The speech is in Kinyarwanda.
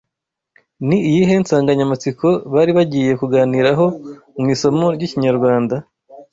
Ni iyihe nsanganyamatsiko bari bagiye kuganiraho mu isomo ry’Ikinyarwanda